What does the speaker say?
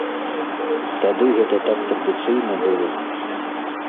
Тады гэта так традыцыйна было.